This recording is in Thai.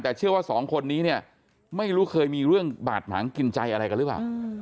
แต่เชื่อว่าสองคนนี้เนี่ยไม่รู้เคยมีเรื่องบาดหมางกินใจอะไรกันหรือเปล่า